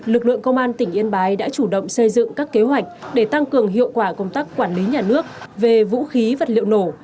lực lượng công an tỉnh yên bái đã chủ động xây dựng các kế hoạch để tăng cường hiệu quả công tác quản lý nhà nước về vũ khí vật liệu nổ